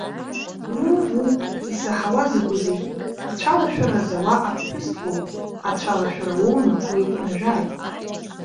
Уу, уу, исаҳауа закәызеи, ацәалашәара зауа аԥҳәыс лоуп, ацәалашәара уоуны уеиҟәнажәааит.